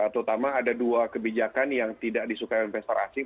terutama ada dua kebijakan yang tidak disukai investor asing